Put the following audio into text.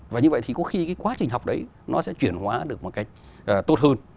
và như vậy thì có khi cái quá trình học đấy nó sẽ chuyển hóa được một cách tốt hơn